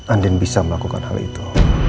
andin bisa melakukan hal itu